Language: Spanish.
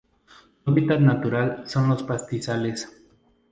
Su hábitat natural son los pastizales.